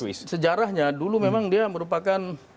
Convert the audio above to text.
swiss sejarahnya dulu memang dia merupakan